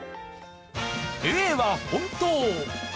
Ａは本当。